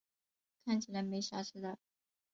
看起来没啥吃的